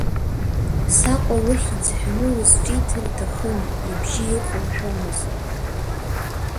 Саҟәа лыхьӡ ҳәаны лызҿиҭыр иҭахын, ибжьы ихәылшәомызт.